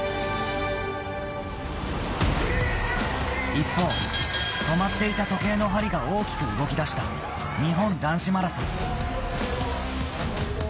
一方止まっていた時計の針が大きく動き出した日本男子マラソン。